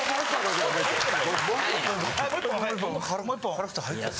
軽くて入ってる？